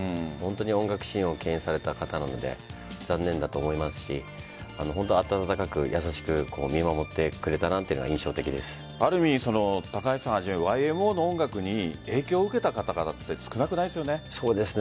音楽シーンをけん引された方なので残念だと思いますし温かく優しく見守ってくれたなというある意味、高橋さんはじめＹＭＯの音楽に影響を受けた方々って少なくないですよね。